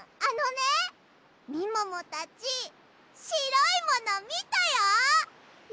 あのねみももたちしろいものみたよ！